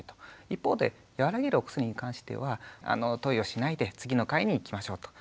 一方で和らげるお薬に関しては投与しないで次の回にいきましょうと。